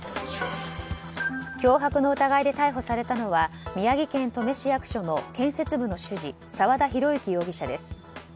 脅迫の疑いで逮捕されたのは宮城県登米市役所の建設部の主事澤田裕幸容疑者です。